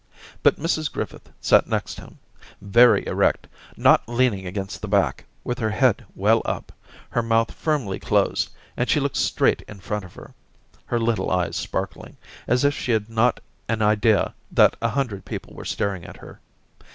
But Mrs Griffith sat next him, very erect, not leaning against the back, with her head well up, her mouth firmly closed, and she looked straight in front of her, her little eyes sparkling, as if she hafl not an idea that a hundred people were staring at her.